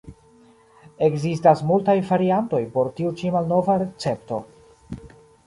Ekzistas multaj variantoj por tiu ĉi malnova recepto.